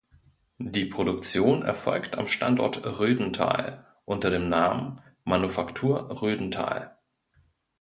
Die Produktion erfolgt am Standort Rödental unter dem Namen "Manufaktur Rödental".